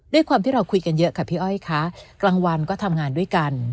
ด้วยความที่เราคุยกันเยอะค่ะพี่อ้อยคะกลางวันก็ทำงานด้วยกัน